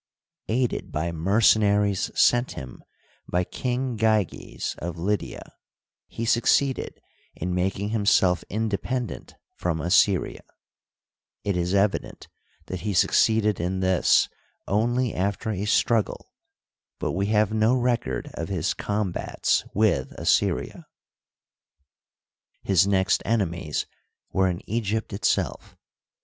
Aided by mercenaries sent him by King Gyges, of Lydia, he suc ceeded in making himself independent from Assyria. It is evident that he succeeded in this only after a struggle, Digitized by CjOOQIC THE EGYPTIAN RENAISSANCE. 125 but we have no record of his combats with Assjrria. His next enemies were in Egypt itself.